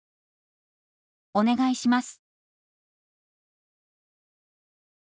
「お願いします」。